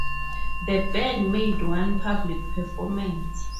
The band made one public performance.